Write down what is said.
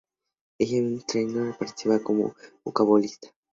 En ella, Meghan Trainor participa como vocalista.